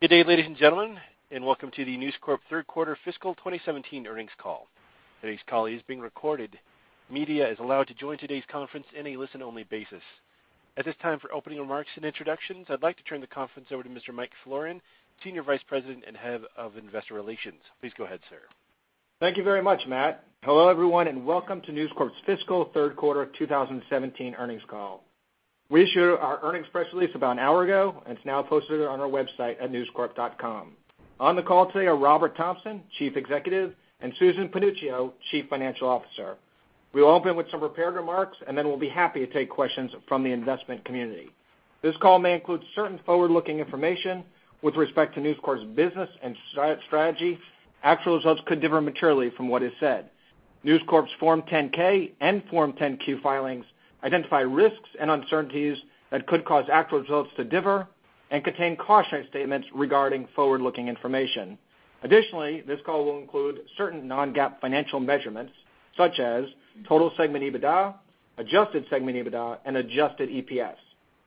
Good day, ladies and gentlemen, and welcome to the News Corp third quarter fiscal 2017 earnings call. Today's call is being recorded. Media is allowed to join today's conference in a listen only basis. At this time, for opening remarks and introductions, I'd like to turn the conference over to Mr. Michael Florin, Senior Vice President and Head of Investor Relations. Please go ahead, sir. Thank you very much, Matt. Hello, everyone, and welcome to News Corp's fiscal third quarter 2017 earnings call. We issued our earnings press release about an hour ago, and it's now posted on our website at newscorp.com. On the call today are Robert Thomson, Chief Executive, and Susan Panuccio, Chief Financial Officer. We will open with some prepared remarks, and then we'll be happy to take questions from the investment community. This call may include certain forward-looking information with respect to News Corp's business and strategy. Actual results could differ materially from what is said. News Corp's Form 10-K and Form 10-Q filings identify risks and uncertainties that could cause actual results to differ and contain caution statements regarding forward-looking information. Additionally, this call will include certain non-GAAP financial measurements, such as total segment EBITDA, adjusted segment EBITDA, and adjusted EPS.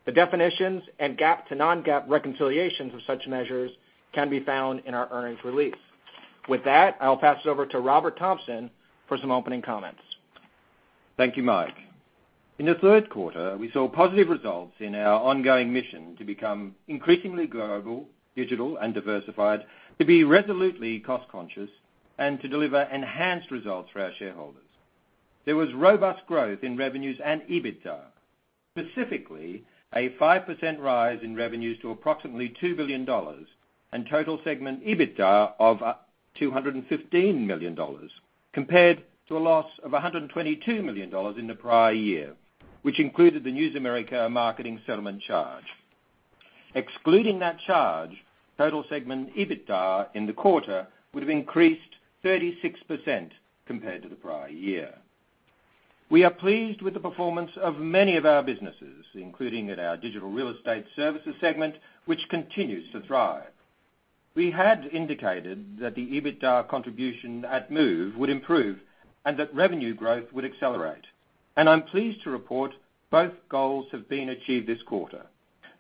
The definitions and GAAP to non-GAAP reconciliations of such measures can be found in our earnings release. With that, I'll pass it over to Robert Thomson for some opening comments. Thank you, Mike. In the third quarter, we saw positive results in our ongoing mission to become increasingly global, digital, and diversified, to be resolutely cost-conscious, and to deliver enhanced results for our shareholders. There was robust growth in revenues and EBITDA. Specifically, a 5% rise in revenues to approximately $2 billion, and total segment EBITDA of $215 million, compared to a loss of $122 million in the prior year, which included the News America Marketing settlement charge. Excluding that charge, total segment EBITDA in the quarter would have increased 36% compared to the prior year. We are pleased with the performance of many of our businesses, including at our digital real estate services segment, which continues to thrive. We had indicated that the EBITDA contribution at Move would improve and that revenue growth would accelerate. I'm pleased to report both goals have been achieved this quarter,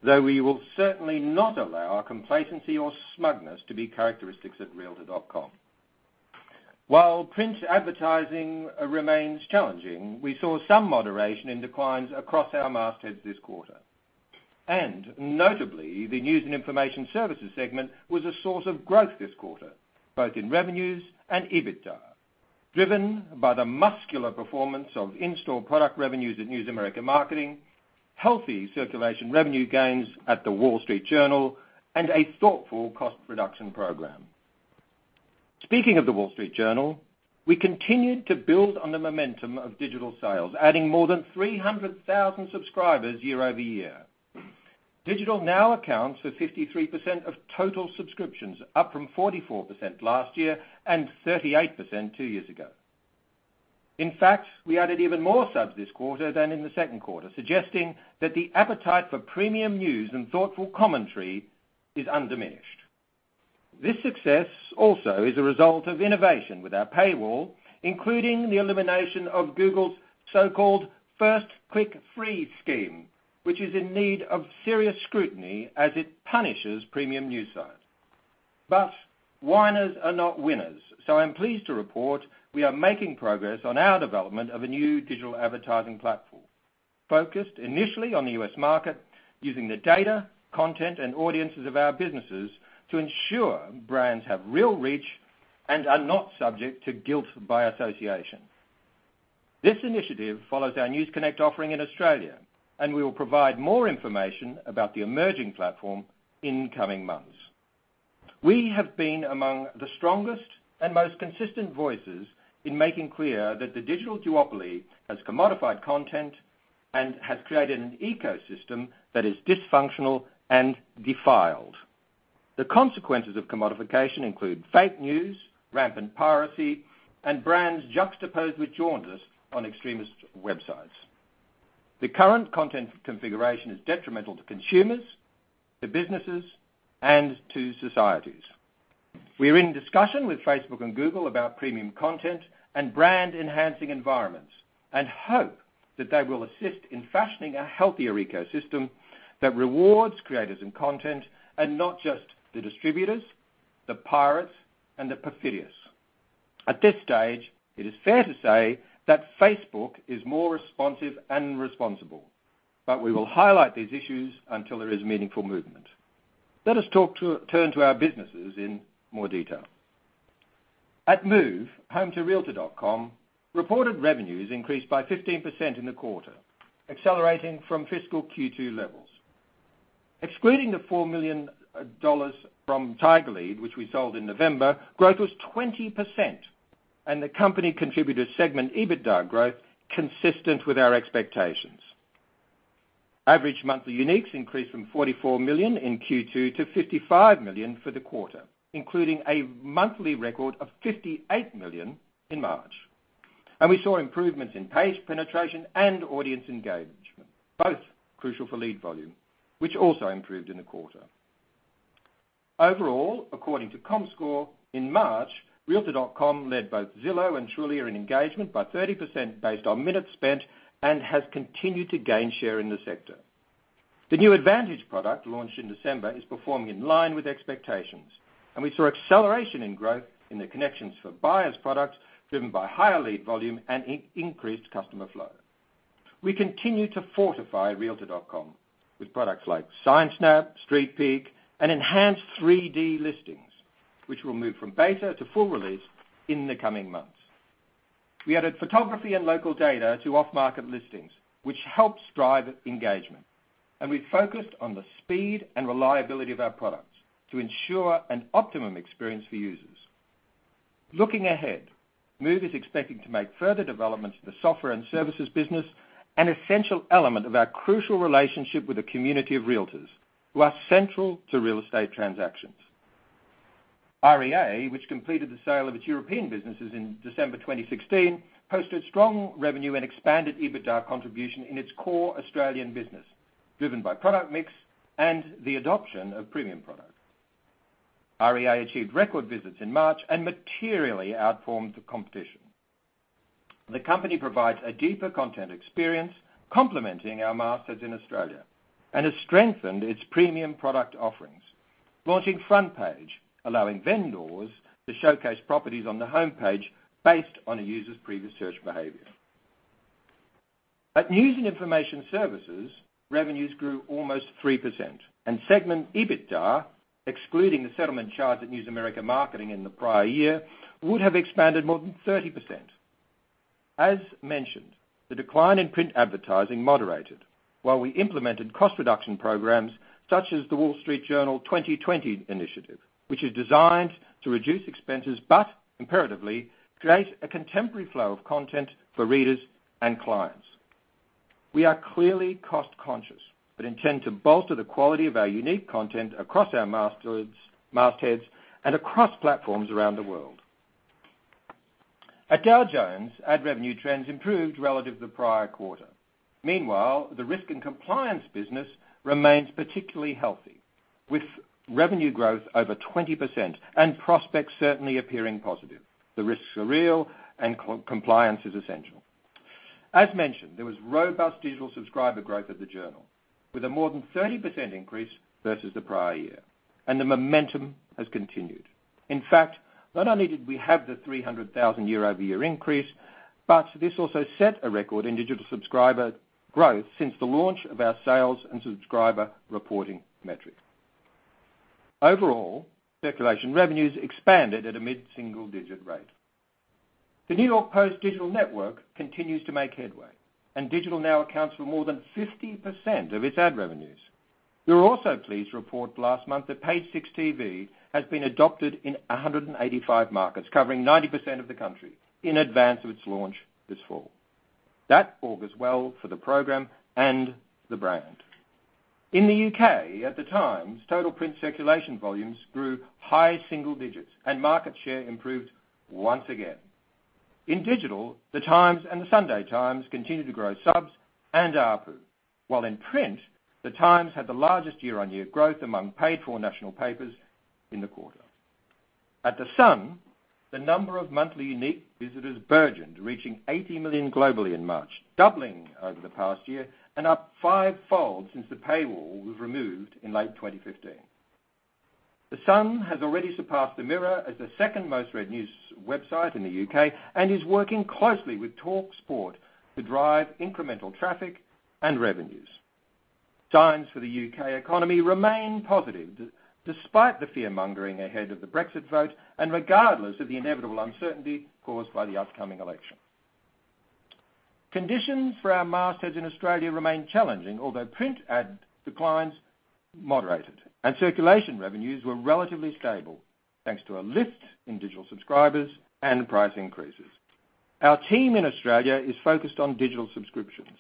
though we will certainly not allow complacency or smugness to be characteristics at realtor.com. While print advertising remains challenging, we saw some moderation in declines across our mastheads this quarter. Notably, the news and information services segment was a source of growth this quarter, both in revenues and EBITDA, driven by the muscular performance of in-store product revenues at News America Marketing, healthy circulation revenue gains at The Wall Street Journal, and a thoughtful cost reduction program. Speaking of The Wall Street Journal, we continued to build on the momentum of digital sales, adding more than 300,000 subscribers year-over-year. Digital now accounts for 53% of total subscriptions, up from 44% last year and 38% two years ago. In fact, we added even more subs this quarter than in the second quarter, suggesting that the appetite for premium news and thoughtful commentary is undiminished. This success also is a result of innovation with our paywall, including the elimination of Google's so-called First Click Free scheme, which is in need of serious scrutiny as it punishes premium news sites. Whiners are not winners, I'm pleased to report we are making progress on our development of a new digital advertising platform, focused initially on the U.S. market, using the data, content, and audiences of our businesses to ensure brands have real reach and are not subject to guilt by association. This initiative follows our News Connect offering in Australia, we will provide more information about the emerging platform in coming months. We have been among the strongest and most consistent voices in making clear that the digital duopoly has commodified content and has created an ecosystem that is dysfunctional and defiled. The consequences of commodification include fake news, rampant piracy, and brands juxtaposed with journos on extremist websites. The current content configuration is detrimental to consumers, to businesses, and to societies. We are in discussion with Facebook and Google about premium content and brand-enhancing environments, hope that they will assist in fashioning a healthier ecosystem that rewards creators and content, and not just the distributors, the pirates, and the perfidious. At this stage, it is fair to say that Facebook is more responsive and responsible, we will highlight these issues until there is meaningful movement. Let us turn to our businesses in more detail. At Move, home to realtor.com, reported revenues increased by 15% in the quarter, accelerating from fiscal Q2 levels. Excluding the $4 million from TigerLead, which we sold in November, growth was 20%, and the company contributed segment EBITDA growth consistent with our expectations. Average monthly uniques increased from 44 million in Q2 to 55 million for the quarter, including a monthly record of 58 million in March. We saw improvements in page penetration and audience engagement, both crucial for lead volume, which also improved in the quarter. Overall, according to Comscore, in March, realtor.com led both Zillow and Trulia in engagement by 30% based on minutes spent and has continued to gain share in the sector. The new advantage product launched in December is performing in line with expectations. We saw acceleration in growth in the connections for buyers' products, driven by higher lead volume and increased customer flow. We continue to fortify realtor.com with products like SignSnap, Street Peek, and enhanced 3D listings, which will move from beta to full release in the coming months. We added photography and local data to off-market listings, which helps drive engagement. We focused on the speed and reliability of our products to ensure an optimum experience for users. Looking ahead, Move is expecting to make further developments in the software and services business an essential element of our crucial relationship with the community of realtors who are central to real estate transactions. REA, which completed the sale of its European businesses in December 2016, posted strong revenue and expanded EBITDA contribution in its core Australian business, driven by product mix and the adoption of premium products. REA achieved record visits in March and materially outperformed the competition. The company provides a deeper content experience complementing our mastheads in Australia and has strengthened its premium product offerings, launching Front Page, allowing vendors to showcase properties on the homepage based on a user's previous search behavior. At News and Information Services, revenues grew almost 3% and segment EBITDA, excluding the settlement charge at News America Marketing in the prior year, would have expanded more than 30%. As mentioned, the decline in print advertising moderated while we implemented cost reduction programs such as The Wall Street Journal 2020 Initiative, which is designed to reduce expenses, imperatively create a contemporary flow of content for readers and clients. We are clearly cost-conscious but intend to bolster the quality of our unique content across our mastheads and across platforms around the world. At Dow Jones, ad revenue trends improved relative to the prior quarter. Meanwhile, the risk and compliance business remains particularly healthy, with revenue growth over 20% and prospects certainly appearing positive. The risks are real and compliance is essential. As mentioned, there was robust digital subscriber growth at the Journal, with a more than 30% increase versus the prior year, and the momentum has continued. In fact, not only did we have the 300,000 year-over-year increase, this also set a record in digital subscriber growth since the launch of our sales and subscriber reporting metric. Overall, circulation revenues expanded at a mid-single-digit rate. The New York Post digital network continues to make headway. Digital now accounts for more than 50% of its ad revenues. We were also pleased to report last month that Page Six TV has been adopted in 185 markets, covering 90% of the country in advance of its launch this fall. That augurs well for the program and the brand. In the U.K., at The Times, total print circulation volumes grew high single digits and market share improved once again. In digital, The Times and The Sunday Times continued to grow subs and ARPU, while in print, The Times had the largest year-on-year growth among paid-for national papers in the quarter. At The Sun, the number of monthly unique visitors burgeoned, reaching 80 million globally in March, doubling over the past year and up five-fold since the paywall was removed in late 2015. The Sun has already surpassed The Mirror as the second most-read news website in the U.K. and is working closely with TalkSport to drive incremental traffic and revenues. Signs for the U.K. economy remain positive despite the fear-mongering ahead of the Brexit vote and regardless of the inevitable uncertainty caused by the upcoming election. Conditions for our mastheads in Australia remain challenging, although print ad declines moderated and circulation revenues were relatively stable thanks to a lift in digital subscribers and price increases. Our team in Australia is focused on digital subscriptions,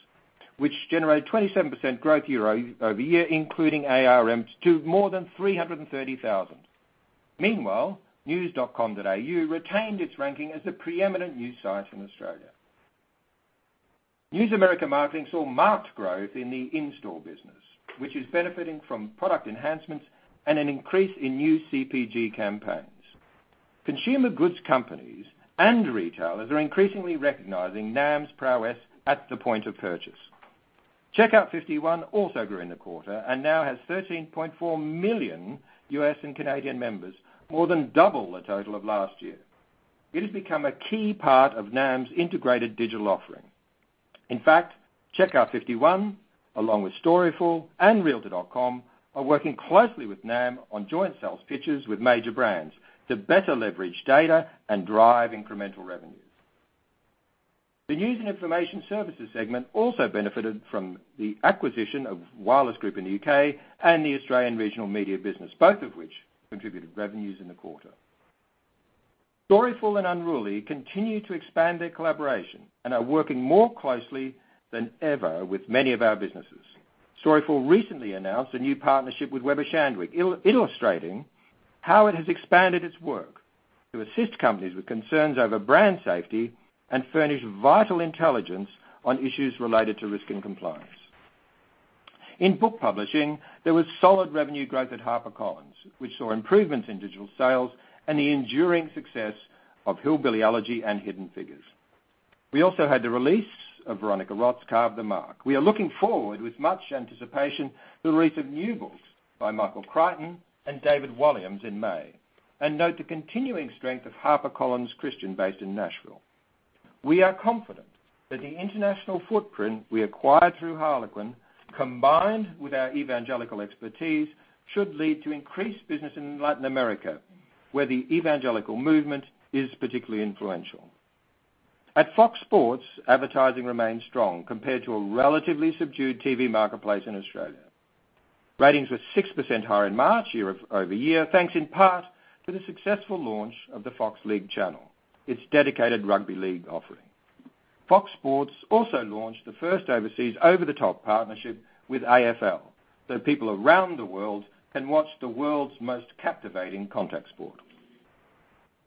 which generate 27% growth year-over-year, including ARM to more than 330,000. Meanwhile, news.com.au retained its ranking as the preeminent news site in Australia. News America Marketing saw marked growth in the in-store business, which is benefiting from product enhancements and an increase in new CPG campaigns. Consumer goods companies and retailers are increasingly recognizing NAM's prowess at the point of purchase. Checkout 51 also grew in the quarter and now has 13.4 million U.S. and Canadian members, more than double the total of last year. It has become a key part of NAM's integrated digital offering. In fact, Checkout 51, along with Storyful and realtor.com, are working closely with NAM on joint sales pitches with major brands to better leverage data and drive incremental revenues. The News and Information Services segment also benefited from the acquisition of Wireless Group in the U.K. and the Australian Regional Media business, both of which contributed revenues in the quarter. Storyful and Unruly continue to expand their collaboration and are working more closely than ever with many of our businesses. Storyful recently announced a new partnership with Weber Shandwick, illustrating how it has expanded its work to assist companies with concerns over brand safety and furnish vital intelligence on issues related to risk and compliance. In book publishing, there was solid revenue growth at HarperCollins, which saw improvements in digital sales and the enduring success of Hillbilly Elegy and Hidden Figures. We also had the release of Veronica Roth's "Carve the Mark." We are looking forward with much anticipation the release of new books by Michael Crichton and David Walliams in May. Note the continuing strength of HarperCollins Christian, based in Nashville. We are confident that the international footprint we acquired through Harlequin, combined with our evangelical expertise, should lead to increased business in Latin America, where the evangelical movement is particularly influential. At Fox Sports, advertising remains strong compared to a relatively subdued TV marketplace in Australia. Ratings were 6% higher in March year-over-year, thanks in part to the successful launch of the Fox League channel, its dedicated rugby league offering. Fox Sports also launched the first overseas over-the-top partnership with AFL, so people around the world can watch the world's most captivating contact sport.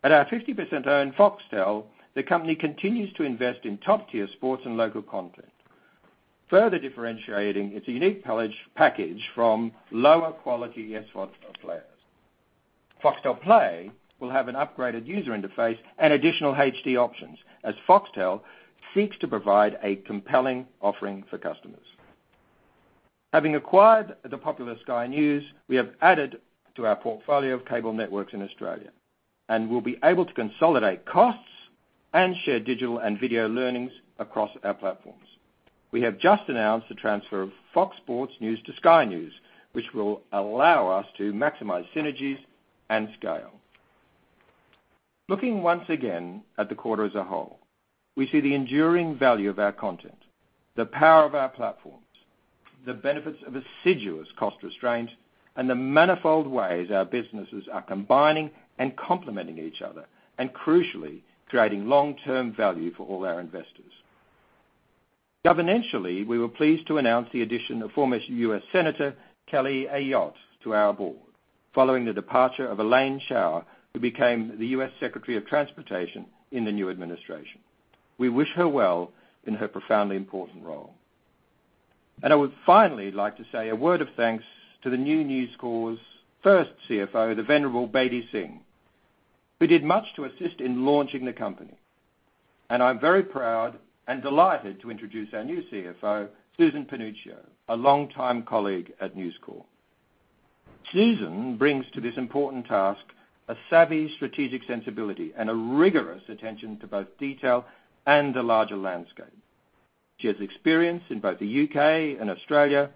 At our 50%-owned Foxtel, the company continues to invest in top-tier sports and local content, further differentiating its unique package from lower quality SVOD players. Foxtel Play will have an upgraded user interface and additional HD options as Foxtel seeks to provide a compelling offering for customers. Having acquired the popular Sky News, we have added to our portfolio of cable networks in Australia, and we'll be able to consolidate costs and share digital and video learnings across our platforms. We have just announced the transfer of Fox Sports News to Sky News, which will allow us to maximize synergies and scale. Looking once again at the quarter as a whole, we see the enduring value of our content, the power of our platforms, the benefits of assiduous cost restraint, and the manifold ways our businesses are combining and complementing each other and crucially, creating long-term value for all our investors. Governancially, we were pleased to announce the addition of former U.S. Senator Kelly Ayotte to our board, following the departure of Elaine Chao, who became the U.S. Secretary of Transportation in the new administration. We wish her well in her profoundly important role. I would finally like to say a word of thanks to the new News Corp's first CFO, the venerable Bedi Singh, who did much to assist in launching the company. I'm very proud and delighted to introduce our new CFO, Susan Panuccio, a longtime colleague at News Corp. Susan brings to this important task a savvy strategic sensibility and a rigorous attention to both detail and the larger landscape. She has experience in both the U.K. and Australia,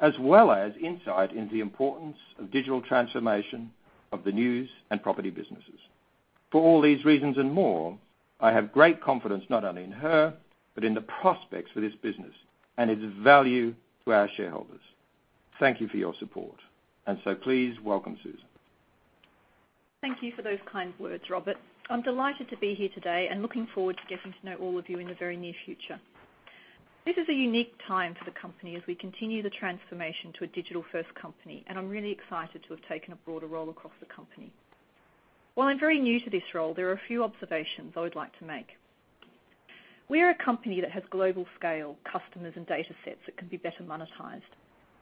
as well as insight into the importance of digital transformation of the news and property businesses. For all these reasons and more, I have great confidence not only in her, but in the prospects for this business and its value to our shareholders. Thank you for your support. Please welcome Susan. Thank you for those kind words, Robert. I'm delighted to be here today and looking forward to getting to know all of you in the very near future. This is a unique time for the company as we continue the transformation to a digital-first company, and I'm really excited to have taken a broader role across the company. While I'm very new to this role, there are a few observations I would like to make. We are a company that has global scale customers and data sets that can be better monetized.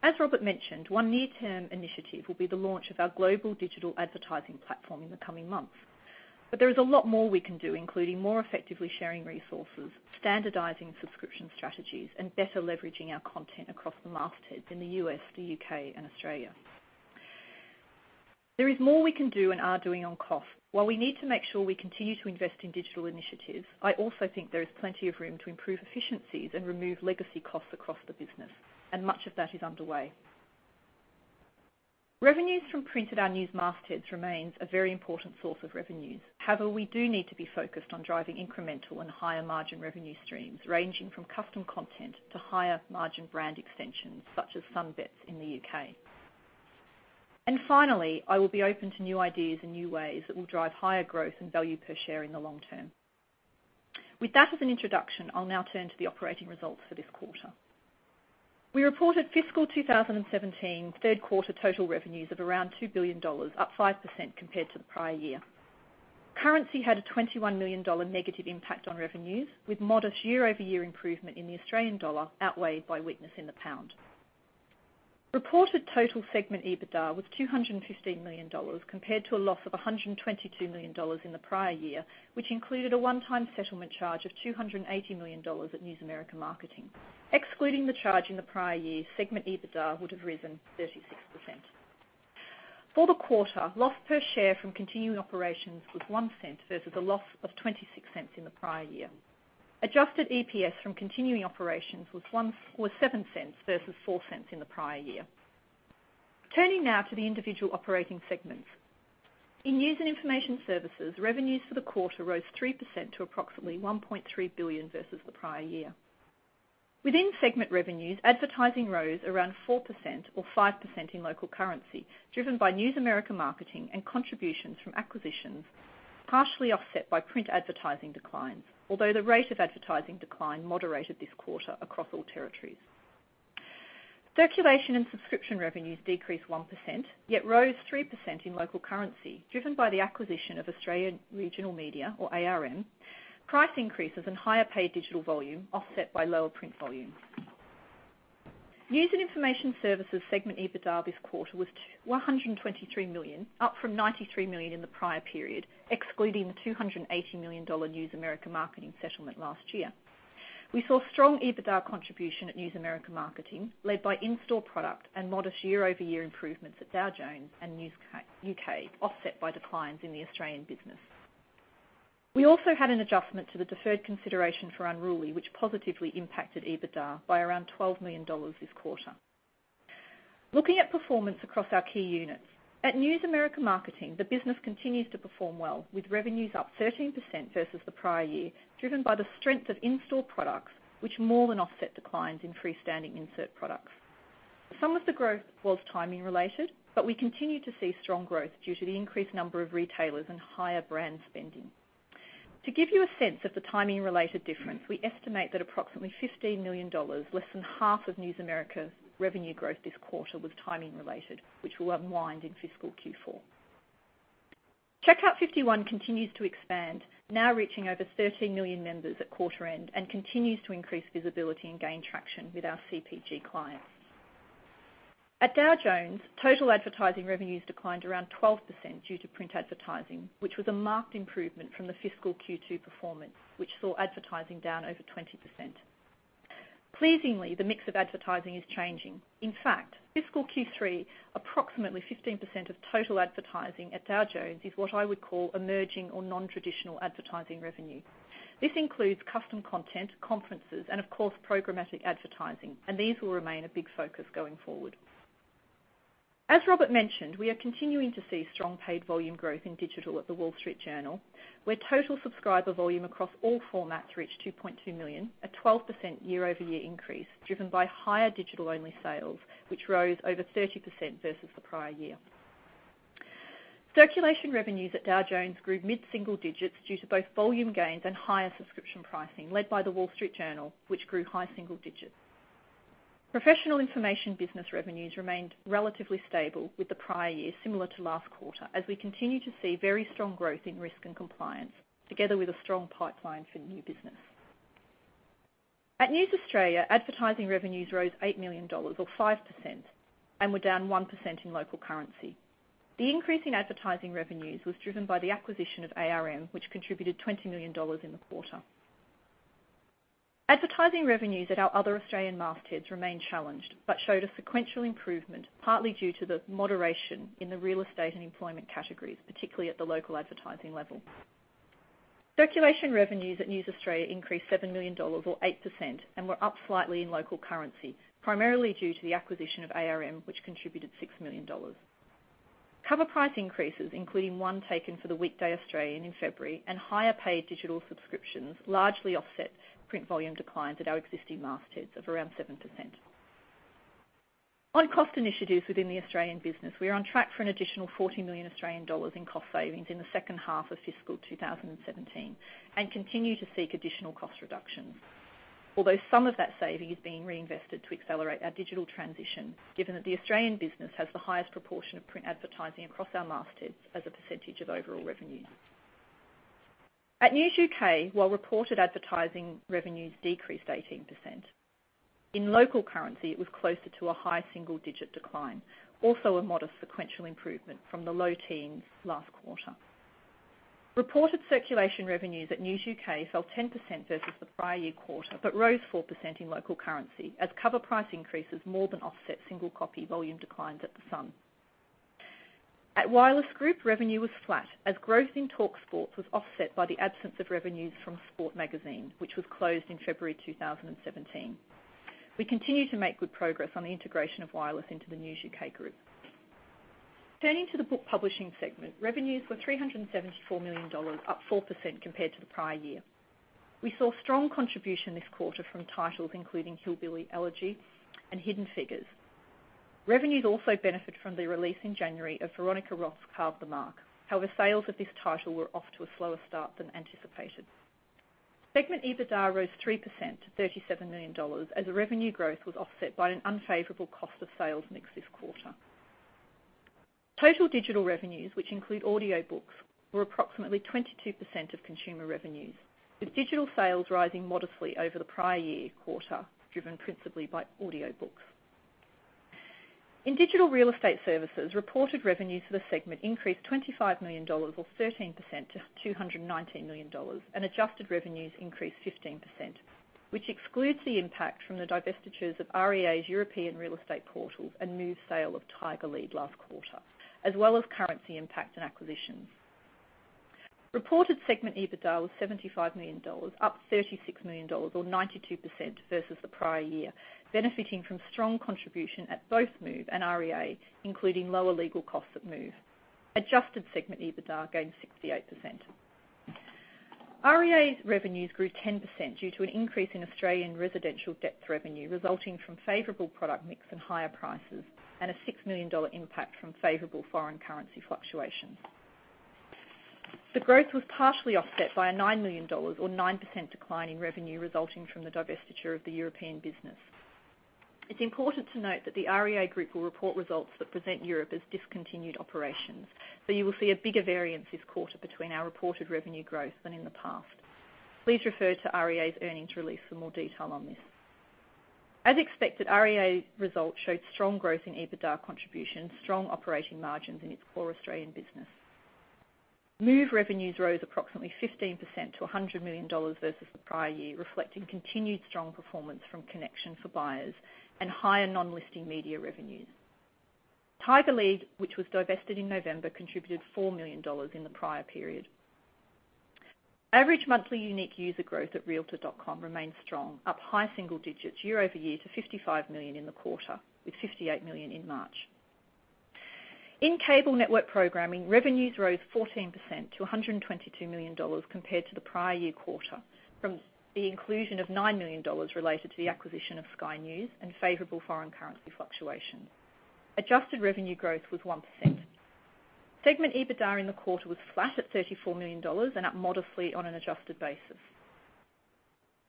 As Robert mentioned, one near-term initiative will be the launch of our global digital advertising platform in the coming months. There is a lot more we can do, including more effectively sharing resources, standardizing subscription strategies, and better leveraging our content across the mastheads in the U.S., the U.K., and Australia. There is more we can do and are doing on cost. While we need to make sure we continue to invest in digital initiatives, I also think there is plenty of room to improve efficiencies and remove legacy costs across the business, much of that is underway. Revenues from print at our news mastheads remains a very important source of revenues. However, we do need to be focused on driving incremental and higher margin revenue streams, ranging from custom content to higher margin brand extensions such as Sun Bets in the U.K. Finally, I will be open to new ideas and new ways that will drive higher growth and value per share in the long term. With that as an introduction, I'll now turn to the operating results for this quarter. We reported fiscal 2017 third quarter total revenues of around $2 billion, up 5% compared to the prior year. Currency had a $21 million negative impact on revenues, with modest year-over-year improvement in the Australian dollar outweighed by weakness in the pound. Reported total segment EBITDA was $215 million, compared to a loss of $122 million in the prior year, which included a one-time settlement charge of $280 million at News America Marketing. Excluding the charge in the prior year, segment EBITDA would have risen 36%. For the quarter, loss per share from continuing operations was $0.01 versus a loss of $0.26 in the prior year. Adjusted EPS from continuing operations was $0.07 versus $0.04 in the prior year. Turning now to the individual operating segments. News and Information Services, revenues for the quarter rose 3% to approximately $1.3 billion versus the prior year. Within segment revenues, advertising rose around 4% or 5% in local currency, driven by News America Marketing and contributions from acquisitions, partially offset by print advertising declines. Although the rate of advertising decline moderated this quarter across all territories. Circulation and subscription revenues decreased 1%, yet rose 3% in local currency, driven by the acquisition of Australian Regional Media, or ARM, price increases and higher paid digital volume offset by lower print volumes. News and Information Services segment EBITDA this quarter was $123 million, up from $93 million in the prior period, excluding the $280 million News America Marketing settlement last year. We saw strong EBITDA contribution at News America Marketing, led by in-store product and modest year-over-year improvements at Dow Jones and News UK, offset by declines in the Australian business. We also had an adjustment to the deferred consideration for Unruly, which positively impacted EBITDA by around $12 million this quarter. Looking at performance across our key units. At News America Marketing, the business continues to perform well, with revenues up 13% versus the prior year, driven by the strength of in-store products, which more than offset declines in freestanding insert products. Some of the growth was timing related, but we continue to see strong growth due to the increased number of retailers and higher brand spending. To give you a sense of the timing-related difference, we estimate that approximately $15 million, less than half of News America's revenue growth this quarter, was timing related, which will unwind in fiscal Q4. Checkout 51 continues to expand, now reaching over 13 million members at quarter end, and continues to increase visibility and gain traction with our CPG clients. At Dow Jones, total advertising revenues declined around 12% due to print advertising, which was a marked improvement from the fiscal Q2 performance, which saw advertising down over 20%. Pleasingly, the mix of advertising is changing. In fact, fiscal Q3, approximately 15% of total advertising at Dow Jones is what I would call emerging or non-traditional advertising revenue. This includes custom content, conferences, and of course, programmatic advertising, and these will remain a big focus going forward. As Robert mentioned, we are continuing to see strong paid volume growth in digital at The Wall Street Journal, where total subscriber volume across all formats reached 2.2 million, a 12% year-over-year increase driven by higher digital-only sales, which rose over 30% versus the prior year. Circulation revenues at Dow Jones grew mid-single digits due to both volume gains and higher subscription pricing, led by The Wall Street Journal, which grew high single digits. Professional information business revenues remained relatively stable with the prior year, similar to last quarter, as we continue to see very strong growth in risk and compliance, together with a strong pipeline for new business. At News Australia, advertising revenues rose $8 million or 5% and were down 1% in local currency. The increase in advertising revenues was driven by the acquisition of ARM, which contributed $20 million in the quarter. Advertising revenues at our other Australian mastheads remained challenged but showed a sequential improvement, partly due to the moderation in the real estate and employment categories, particularly at the local advertising level. Circulation revenues at News Australia increased $7 million or 8% and were up slightly in local currency, primarily due to the acquisition of ARM, which contributed $6 million. Cover price increases, including one taken for the weekday Australian in February, and higher-paid digital subscriptions largely offset print volume declines at our existing mastheads of around 7%. On cost initiatives within the Australian business, we are on track for an additional 40 million Australian dollars in cost savings in the second half of fiscal 2017 and continue to seek additional cost reductions. Although some of that saving is being reinvested to accelerate our digital transition, given that the Australian business has the highest proportion of print advertising across our mastheads as a percentage of overall revenue. At News UK, while reported advertising revenues decreased 18%, in local currency, it was closer to a high single-digit decline, also a modest sequential improvement from the low teens last quarter. Reported circulation revenues at News UK fell 10% versus the prior year quarter, but rose 4% in local currency as cover price increases more than offset single copy volume declines at The Sun. At Wireless Group, revenue was flat as growth in TalkSport was offset by the absence of revenues from Sport Magazine, which was closed in February 2017. We continue to make good progress on the integration of Wireless into the News UK group. Turning to the book publishing segment, revenues were $374 million, up 4% compared to the prior year. We saw strong contribution this quarter from titles including "Hillbilly Elegy" and "Hidden Figures." Revenues also benefited from the release in January of Veronica Roth's "Carve the Mark." However, sales of this title were off to a slower start than anticipated. Segment EBITDA rose 3% to $37 million as the revenue growth was offset by an unfavorable cost of sales mix this quarter. Total digital revenues, which include audiobooks, were approximately 22% of consumer revenues, with digital sales rising modestly over the prior year quarter, driven principally by audiobooks. In digital real estate services, reported revenues for the segment increased $25 million or 13% to $219 million, and adjusted revenues increased 15%, which excludes the impact from the divestitures of REA's European real estate portals and Move sale of TigerLead last quarter, as well as currency impact and acquisitions. Reported segment EBITDA was $75 million, up $36 million or 92% versus the prior year, benefiting from strong contribution at both Move and REA, including lower legal costs at Move. Adjusted segment EBITDA gained 68%. REA's revenues grew 10% due to an increase in Australian residential depth revenue resulting from favorable product mix and higher prices, and a $6 million impact from favorable foreign currency fluctuations. The growth was partially offset by a $9 million or 9% decline in revenue resulting from the divestiture of the European business. It's important to note that the REA Group will report results that present Europe as discontinued operations. You will see a bigger variance this quarter between our reported revenue growth than in the past. Please refer to REA's earnings release for more detail on this. As expected, REA results showed strong growth in EBITDA contribution, strong operating margins in its core Australian business. Move revenues rose approximately 15% to $100 million versus the prior year, reflecting continued strong performance from connection for buyers and higher non-listing media revenues. TigerLead, which was divested in November, contributed $4 million in the prior period. Average monthly unique user growth at realtor.com remains strong, up high single digits year-over-year to 55 million in the quarter, with 58 million in March. In cable network programming, revenues rose 14% to $122 million compared to the prior year quarter from the inclusion of $9 million related to the acquisition of Sky News and favorable foreign currency fluctuation. Adjusted revenue growth was 1%. Segment EBITDA in the quarter was flat at $34 million and up modestly on an adjusted basis.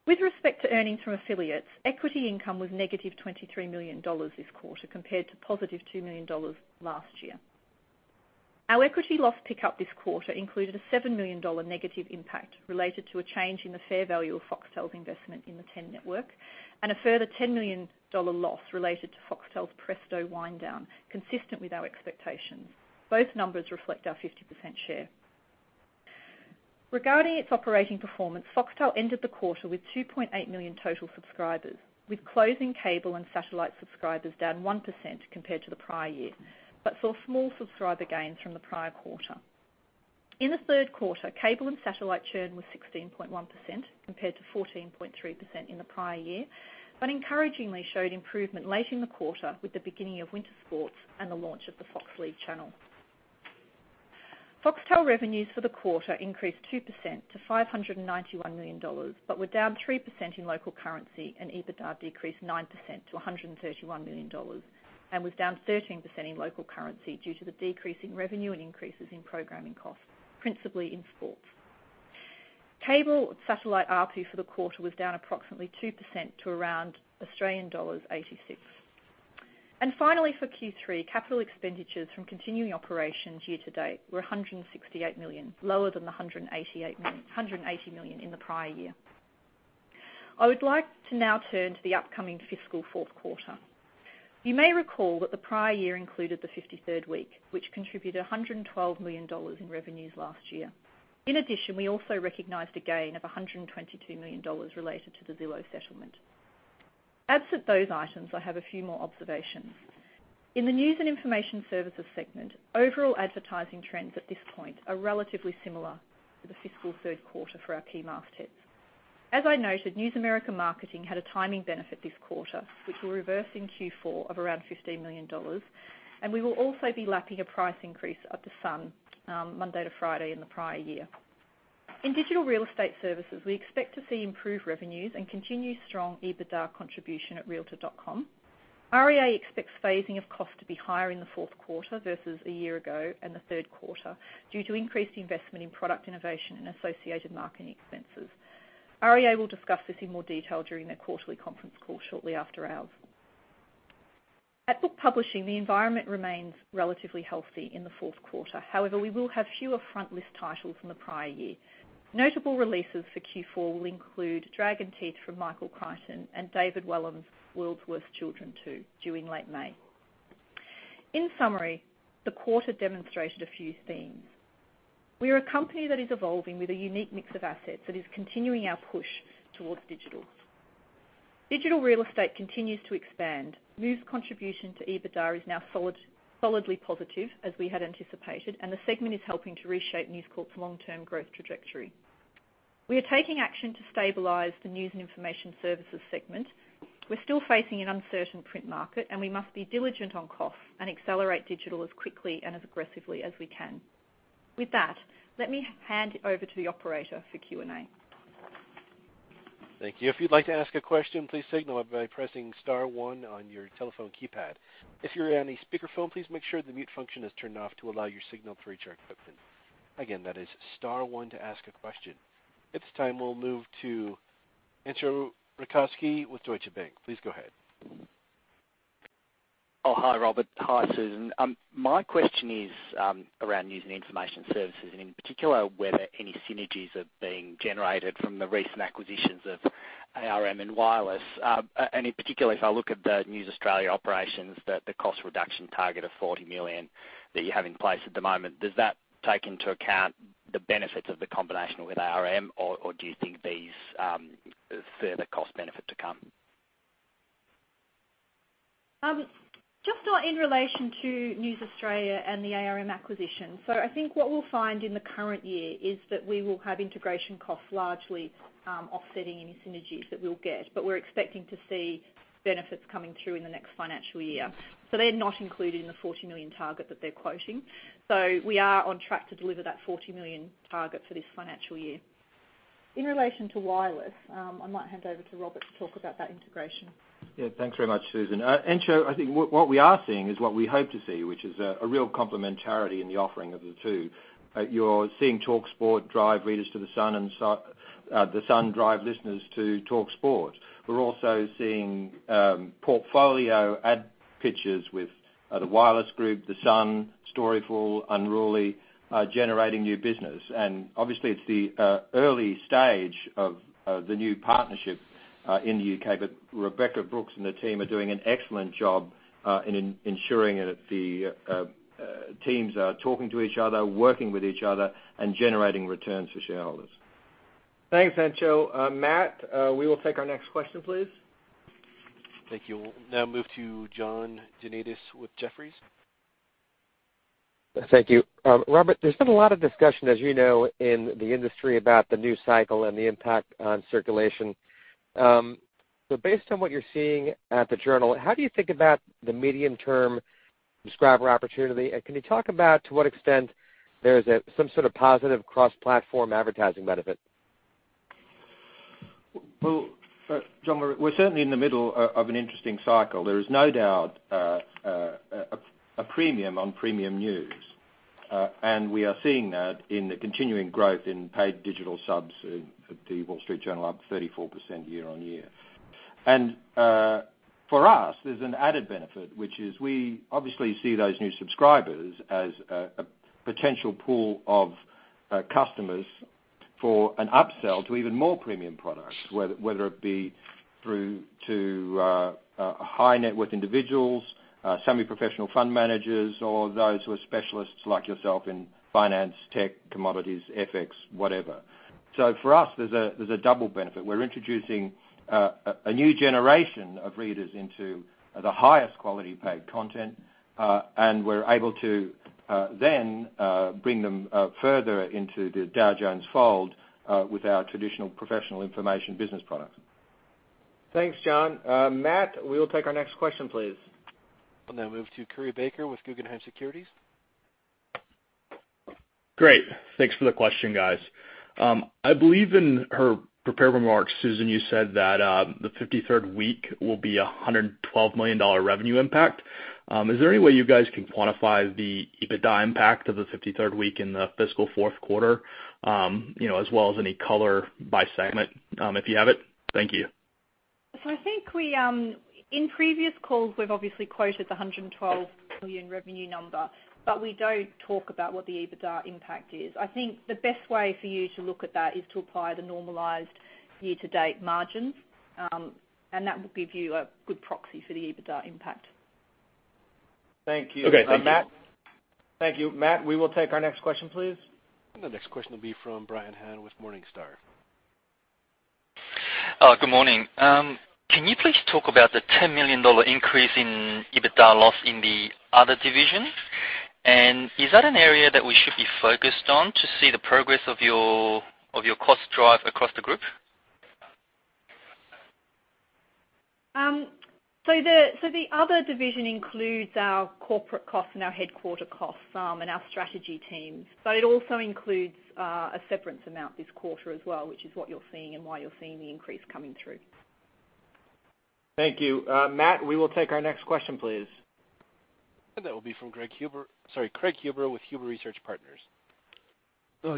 With respect to earnings from affiliates, equity income was negative $23 million this quarter compared to positive $2 million last year. Our equity loss pick-up this quarter included a $7 million negative impact related to a change in the fair value of Foxtel's investment in the Ten Network, and a further $10 million loss related to Foxtel's Presto wind down, consistent with our expectations. Both numbers reflect our 50% share. Regarding its operating performance, Foxtel ended the quarter with 2.8 million total subscribers, with closing cable and satellite subscribers down 1% compared to the prior year, but saw small subscriber gains from the prior quarter. In the third quarter, cable and satellite churn was 16.1% compared to 14.3% in the prior year, but encouragingly showed improvement late in the quarter with the beginning of winter sports and the launch of the Fox League channel. Foxtel revenues for the quarter increased 2% to $591 million, but were down 3% in local currency. EBITDA decreased 9% to $131 million, and was down 13% in local currency due to the decrease in revenue and increases in programming costs, principally in sports. Cable satellite ARPU for the quarter was down approximately 2% to around Australian dollars 86. Finally, for Q3, capital expenditures from continuing operations year to date were $168 million, lower than the $180 million in the prior year. I would like to now turn to the upcoming fiscal fourth quarter. You may recall that the prior year included the 53rd week, which contributed $112 million in revenues last year. In addition, we also recognized a gain of $122 million related to the Zillow settlement. Absent those items, I have a few more observations. In the News and Information Services segment, overall advertising trends at this point are relatively similar to the fiscal third quarter for our key markets. As I noted, News America Marketing had a timing benefit this quarter, which we'll reverse in Q4 of around $15 million. We will also be lacking a price increase of The Sun, Monday to Friday in the prior year. In Digital Real Estate Services, we expect to see improved revenues and continued strong EBITDA contribution at realtor.com. REA expects phasing of cost to be higher in the fourth quarter versus a year ago and the third quarter due to increased investment in product innovation and associated marketing expenses. REA will discuss this in more detail during their quarterly conference call shortly after hours. At Book Publishing, the environment remains relatively healthy in the fourth quarter. However, we will have fewer front list titles in the prior year. Notable releases for Q4 will include "Dragon Teeth" from Michael Crichton and David Walliams' "World's Worst Children 2" due in late May. In summary, the quarter demonstrated a few themes. We are a company that is evolving with a unique mix of assets that is continuing our push towards digital. Digital Real Estate continues to expand. News contribution to EBITDA is now solidly positive as we had anticipated, and the segment is helping to reshape News Corp's long-term growth trajectory. We are taking action to stabilize the News and Information Services segment. We're still facing an uncertain print market, and we must be diligent on costs and accelerate digital as quickly and as aggressively as we can. With that, let me hand over to the operator for Q&A. Thank you. If you'd like to ask a question, please signal by pressing *1 on your telephone keypad. If you're on a speakerphone, please make sure the mute function is turned off to allow your signal through to our equipment. Again, that is *1 to ask a question. At this time, we'll move to Entcho Raykovski with Deutsche Bank. Please go ahead. Oh, hi, Robert. Hi, Susan. My question is around News and Information Services, and in particular, whether any synergies are being generated from the recent acquisitions of ARM and Wireless. In particular, if I look at the News Corp Australia operations, the cost reduction target of $40 million that you have in place at the moment, does that take into account the benefits of the combination with ARM, or do you think there's further cost benefit to come? Just in relation to News Corp Australia and the ARM acquisition. I think what we'll find in the current year is that we will have integration costs largely offsetting any synergies that we'll get. We're expecting to see benefits coming through in the next financial year. They're not included in the $40 million target that they're quoting. We are on track to deliver that $40 million target for this financial year. In relation to Wireless, I might hand over to Robert to talk about that integration. Yeah, thanks very much, Susan. Entcho, I think what we are seeing is what we hope to see, which is a real complementarity in the offering of the two. You're seeing TalkSport drive readers to The Sun, and The Sun drive listeners to TalkSport. We're also seeing portfolio ad pitches with the Wireless Group, The Sun, Storyful, Unruly, generating new business. Obviously it's the early stage of the new partnership in the U.K. Rebekah Brooks and the team are doing an excellent job in ensuring that the teams are talking to each other, working with each other, and generating returns for shareholders. Thanks, Entcho. Matt, we will take our next question, please. Thank you. We'll now move to John Janedis with Jefferies. Thank you. Robert, there's been a lot of discussion, as you know, in the industry about the new cycle and the impact on circulation. Based on what you're seeing at The Wall Street Journal, how do you think about the medium-term subscriber opportunity? Can you talk about to what extent there is some sort of positive cross-platform advertising benefit? Well, John, we're certainly in the middle of an interesting cycle. There is no doubt a premium on premium news. We are seeing that in the continuing growth in paid digital subs at The Wall Street Journal, up 34% year-over-year. For us, there's an added benefit, which is we obviously see those new subscribers as a potential pool of customers for an upsell to even more premium products, whether it be through to high-net-worth individuals, semi-professional fund managers, or those who are specialists like yourself in finance, tech, commodities, FX, whatever. For us, there's a double benefit. We're introducing a new generation of readers into the highest quality paid content. We're able to then bring them further into the Dow Jones fold with our traditional professional information business products. Thanks, John. Matt, we will take our next question, please. We'll now move to Curry Baker with Guggenheim Securities. Great. Thanks for the question, guys. I believe in her prepared remarks, Susan, you said that the 53rd week will be a $112 million revenue impact. Is there any way you guys can quantify the EBITDA impact of the 53rd week in the fiscal fourth quarter? As well as any color by segment, if you have it. Thank you. I think in previous calls, we've obviously quoted the $112 million revenue number. We don't talk about what the EBITDA impact is. I think the best way for you to look at that is to apply the normalized year-to-date margins. That will give you a good proxy for the EBITDA impact. Okay. Thank you. Thank you. Matt, we will take our next question, please. The next question will be from Brian Han with Morningstar. Good morning. Can you please talk about the $10 million increase in EBITDA loss in the other division? Is that an area that we should be focused on to see the progress of your cost drive across the group? The other division includes our corporate costs and our headquarter costs, and our strategy teams. It also includes a severance amount this quarter as well, which is what you're seeing and why you're seeing the increase coming through. Thank you. Matt, we will take our next question, please. That will be from Craig Huber with Huber Research Partners.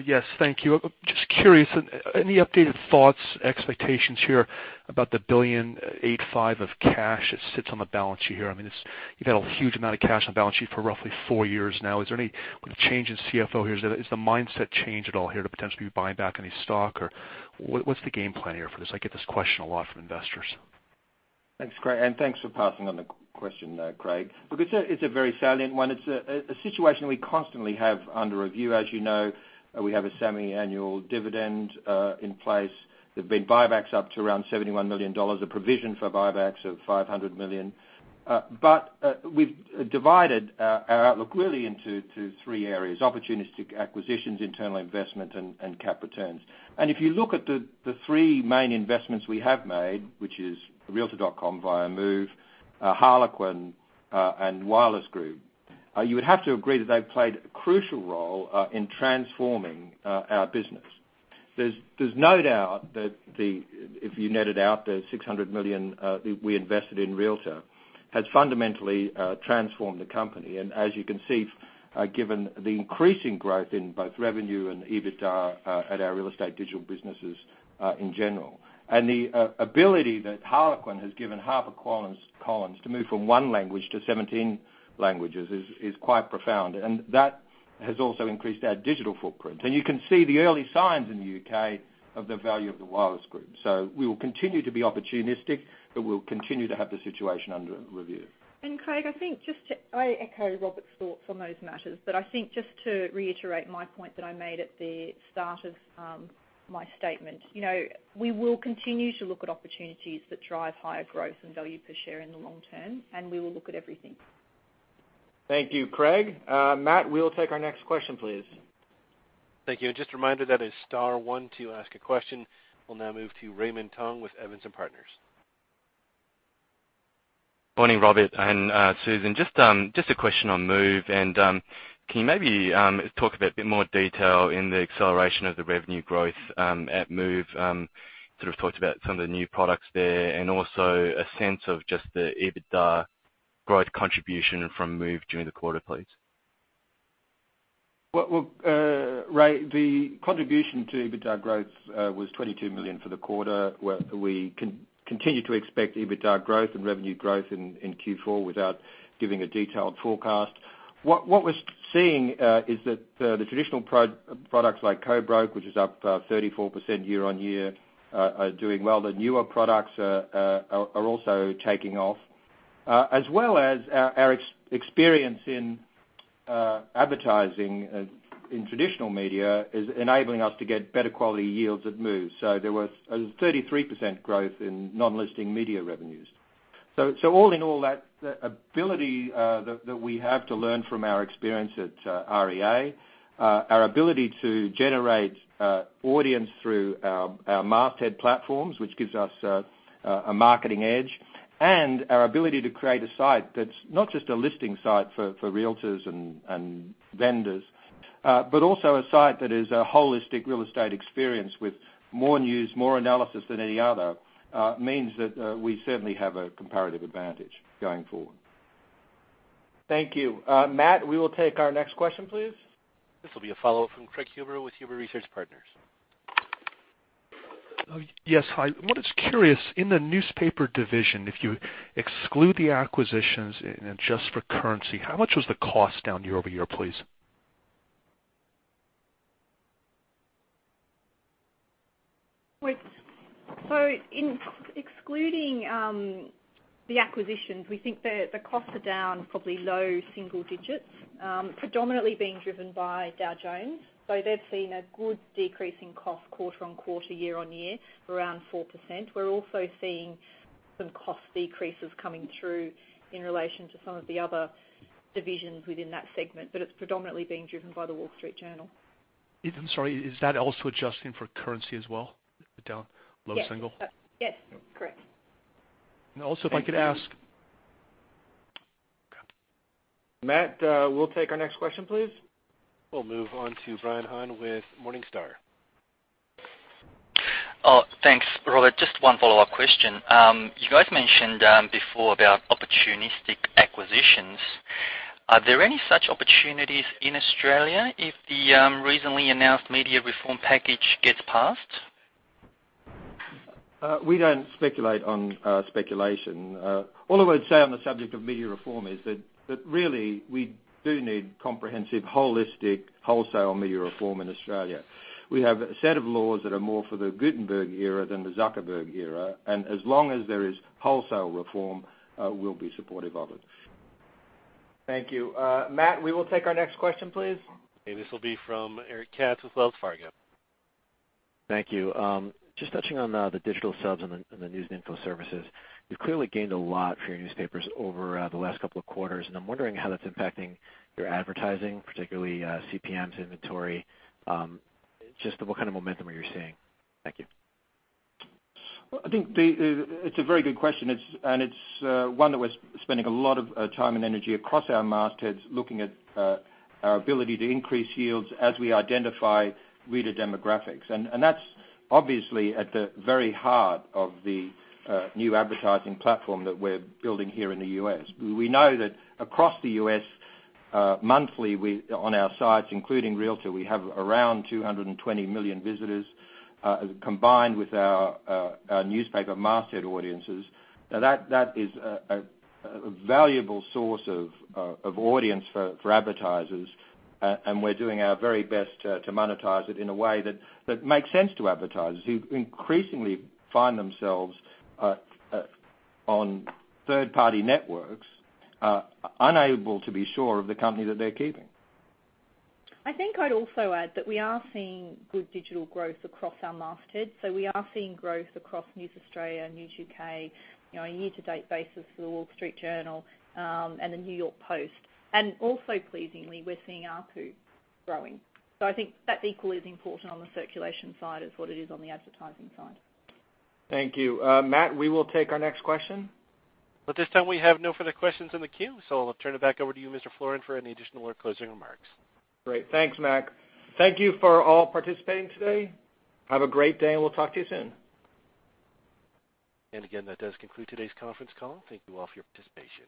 Yes, thank you. Just curious, any updated thoughts, expectations here about the $1.85 billion of cash that sits on the balance sheet here? I mean, you've had a huge amount of cash on the balance sheet for roughly four years now. Is there any change in CFO here? Has the mindset changed at all here to potentially be buying back any stock? What's the game plan here for this? I get this question a lot from investors. Thanks, Craig. Thanks for passing on the question, Craig. Look, it's a very salient one. It's a situation we constantly have under review. As you know, we have a semiannual dividend in place. There's been buybacks up to around $71 million, a provision for buybacks of $500 million. We've divided our outlook really into three areas: opportunistic acquisitions, internal investment, and cap returns. If you look at the three main investments we have made, which is realtor.com via Move, Harlequin, and Wireless Group, you would have to agree that they've played a crucial role in transforming our business. There's no doubt that if you net it out, the $600 million we invested in realtor.com has fundamentally transformed the company. As you can see, given the increasing growth in both revenue and EBITDA at our real estate digital businesses in general. The ability that Harlequin has given HarperCollins to move from one language to 17 languages is quite profound, that has also increased our digital footprint. You can see the early signs in the U.K. of the value of the Wireless Group. We will continue to be opportunistic, we'll continue to have the situation under review. Craig, I think I echo Robert's thoughts on those matters. I think just to reiterate my point that I made at the start of my statement, we will continue to look at opportunities that drive higher growth and value per share in the long term, we will look at everything. Thank you, Craig. Matt, we'll take our next question, please. Thank you. Just a reminder, that is star one to ask a question. We'll now move to Raymond Tong with Evans and Partners. Morning, Robert and Susan. Can you maybe talk a bit more detail in the acceleration of the revenue growth at Move? Sort of talked about some of the new products there, and also a sense of just the EBITDA growth contribution from Move during the quarter, please. Well, Ray, the contribution to EBITDA growth was $22 million for the quarter. We continue to expect EBITDA growth and revenue growth in Q4 without giving a detailed forecast. What we're seeing is that the traditional products like Co-broke, which is up 34% year-on-year, are doing well. The newer products are also taking off. As well as our experience in advertising in traditional media is enabling us to get better quality yields at Move. There was a 33% growth in non-listing media revenues. All in all, that ability that we have to learn from our experience at REA, our ability to generate audience through our masthead platforms, which gives us a marketing edge, and our ability to create a site that's not just a listing site for realtors and vendors, but also a site that is a holistic real estate experience with more news, more analysis than any other, means that we certainly have a comparative advantage going forward. Thank you. Matt, we will take our next question, please. This will be a follow-up from Craig Huber with Huber Research Partners. Yes. Hi. I was just curious, in the newspaper division, if you exclude the acquisitions and adjust for currency, how much was the cost down year-over-year, please? In excluding the acquisitions, we think the costs are down probably low single digits, predominantly being driven by Dow Jones. They've seen a good decrease in cost quarter-on-quarter, year-on-year, around 4%. We're also seeing some cost decreases coming through in relation to some of the other divisions within that segment, it's predominantly being driven by The Wall Street Journal. I'm sorry, is that also adjusting for currency as well, down low single? Yes. Correct. Also if I could ask. Okay. Matt, we'll take our next question, please. We'll move on to Brian Han with Morningstar. Thanks. Robert, just one follow-up question. You guys mentioned before about opportunistic acquisitions. Are there any such opportunities in Australia if the recently announced media reform package gets passed? We don't speculate on speculation. All I would say on the subject of media reform is that really we do need comprehensive, holistic, wholesale media reform in Australia. We have a set of laws that are more for the Gutenberg era than the Zuckerberg era. As long as there is wholesale reform, we'll be supportive of it. Thank you. Matt, we will take our next question, please. This will be from Eric Katz with Wells Fargo. Thank you. Just touching on the digital subs and the news and info services. You've clearly gained a lot for your newspapers over the last couple of quarters, and I'm wondering how that's impacting your advertising, particularly CPMs, inventory, just what kind of momentum are you seeing? Thank you. Well, I think it's a very good question, and it's one that we're spending a lot of time and energy across our mastheads looking at our ability to increase yields as we identify reader demographics. That's obviously at the very heart of the new advertising platform that we're building here in the U.S. We know that across the U.S., monthly on our sites, including realtor.com, we have around 220 million visitors combined with our newspaper masthead audiences. That is a valuable source of audience for advertisers, and we're doing our very best to monetize it in a way that makes sense to advertisers who increasingly find themselves on third-party networks, unable to be sure of the company that they're keeping. I think I'd also add that we are seeing good digital growth across our masthead. We are seeing growth across News Australia, News UK, a year to date basis for The Wall Street Journal, and the New York Post. Also pleasingly, we're seeing R2 growing. I think that equally is important on the circulation side as what it is on the advertising side. Thank you. Matt, we will take our next question. At this time, we have no further questions in the queue. I'll turn it back over to you, Mr. Florin, for any additional or closing remarks. Great. Thanks, Matt. Thank you for all participating today. Have a great day. We'll talk to you soon. Again, that does conclude today's conference call. Thank you all for your participation.